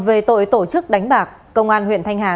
về tội tổ chức đánh bạc công an huyện thanh hà